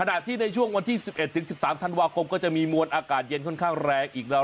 ในช่วงวันที่๑๑๑๓ธันวาคมก็จะมีมวลอากาศเย็นค่อนข้างแรงอีกแล้ว